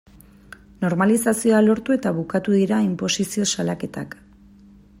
Normalizazioa lortu eta bukatu dira inposizio salaketak.